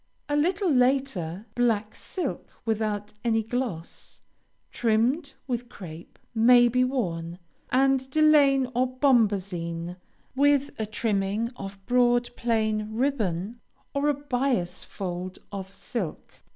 A little later, black silk without any gloss, trimmed with crape, may be worn, and delaine or bombazine, with a trimming of broad, plain ribbon, or a bias fold of silk.